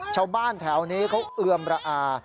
ชาวบ้านแถวนี้เขาเอือมระอา